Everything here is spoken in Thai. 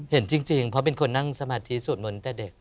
เห็นจริงเพราะเป็นคนนั่งสมาธิสวดมนต์แต่เด็ก